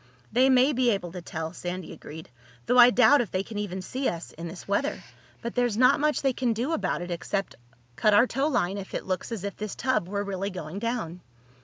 "They may be able to tell," Sandy agreed, "though I doubt if they can even see us in this weather. But there's not much they can do about it except cut our towline if it looks as if this tub were really going down."